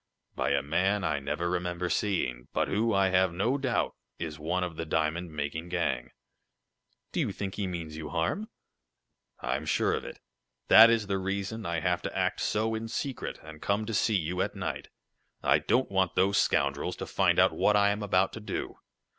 "By a man I never remember seeing, but who, I have no doubt, is one of the diamond making gang." "Do you think he means you harm?" "I'm sure of it. That is the reason I have to act so in secret, and come to see you at night. I don't want those scoundrels to find out what I am about to do.